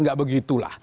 enggak begitu lah